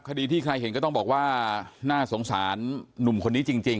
คดีที่ใครเห็นก็ต้องบอกว่าน่าสงสารหนุ่มคนนี้จริง